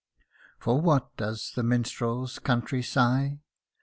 For what does the minstrel's country sigh